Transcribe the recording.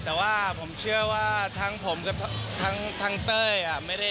แต่ว่าผมเชื่อว่าทั้งผมกับทั้งเต้ย